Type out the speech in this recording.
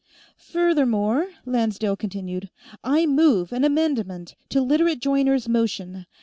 "Furthermore," Lancedale continued, "I move an amendment to Literate Joyner's motion.